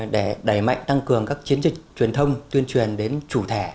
để đẩy mạnh tăng cường các chiến dịch truyền thông tuyên truyền đến chủ thể